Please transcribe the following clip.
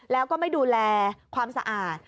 แล้วก็ไม่ดูแลความสะอาด